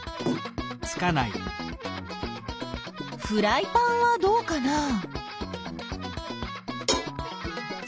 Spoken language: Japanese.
フライパンはどうかな？